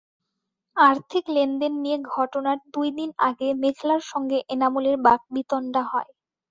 আর্থিক লেনদেন নিয়ে ঘটনার দুই দিন আগে মেঘলার সঙ্গে এনামুলের বাগবিতণ্ডা হয়।